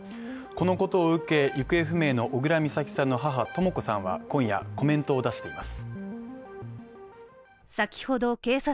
このことを受け、行方不明の小倉美咲さんの母・とも子さんは今夜、コメントを出しています。